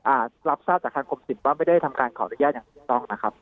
รับทราบจากทางกรมศิลปว่าไม่ได้ทำการขออนุญาตอย่างถูกต้องนะครับ